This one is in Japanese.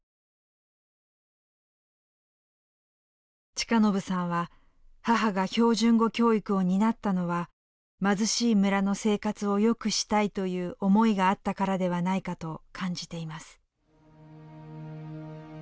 親信さんは母が標準語教育を担ったのは貧しい村の生活をよくしたいという思いがあったからではないかと感じています。